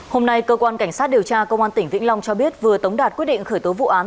hôm nay cơ quan cảnh sát điều tra công an tỉnh vĩnh long cho biết vừa tống đạt quyết định khởi tố vụ án